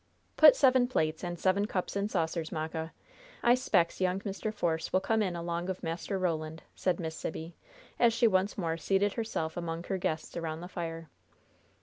"Put seven plates and seven cups and saucers, Mocka. I spects young Mr. Force will come in along of Master Roland," said Miss Sibby, as she once more seated herself among her guests around the fire.